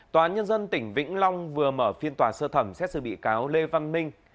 tòa nhân dân tỉnh vĩnh long vừa mở phiên tòa sơ thẩm xét xử bị cáo lê văn minh